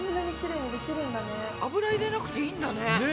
油入れなくていいんだね。ね。